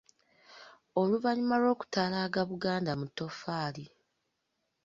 Oluvannyuma lw’okutalaaga Buganda mu Ttoffaali.